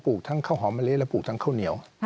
ทั้งข้าวหอมมะลิและปลูกทั้งข้าวเหนียว